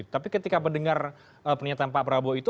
tapi ketika mendengar pernyataan pak prabowo itu